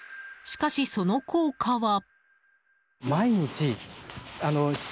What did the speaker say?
しかし、その効果は。